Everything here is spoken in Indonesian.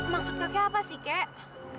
maksud kakek apa sih kakek